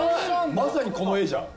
まさにこの絵じゃん。